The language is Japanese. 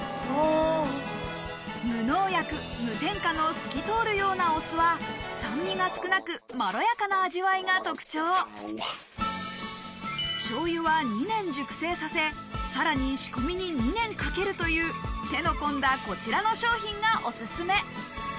透き通るようなお酢は酸味が少なくまろやかな味わいが特徴醤油は２年熟成させさらに仕込みに２年かけるという手の込んだこちらの商品がお薦め